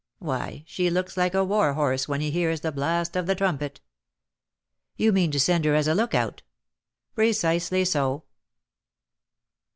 Why, she looks like a war horse when he hears the blast of the trumpet!" "You mean to send her as a lookout?" "Precisely so."